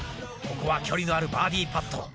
ここは距離のあるバーディーパット。